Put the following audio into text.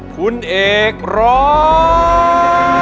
คุณเอกร้อง